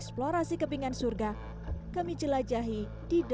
borneo menawarkan pengalaman jelajah bak di nirwana